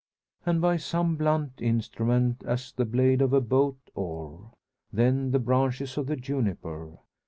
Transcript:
And by some blunt instrument, as the blade of a boat oar. Then the branches of the juniper.